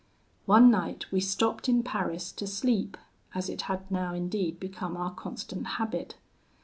"One night we stopped in Paris to sleep, as it had now indeed become our constant habit.